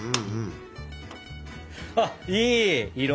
あっいい色！